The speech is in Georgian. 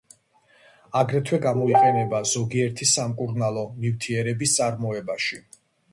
აგრეთვე გამოიყენება ზოგიერთი სამკურნალო ნივთიერების წარმოებაში.